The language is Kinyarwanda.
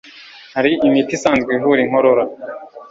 Hari imiti isanzwe ivura inkorora